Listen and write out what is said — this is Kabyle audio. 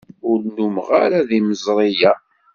Ur nnumeɣ ara d yimeẓri-a.